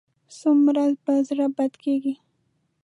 څومره به زړه بدی کېږي.